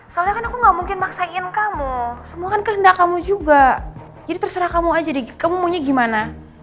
soalnya kan aku gak mungkin maksain kamu semua kan kehendak kamu juga jadi terserah kamu aja deh kamu maunya gimana